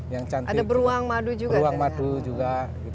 yang cantik ada beruang madu juga